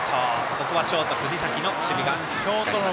ここはショート藤崎の守備が光りました。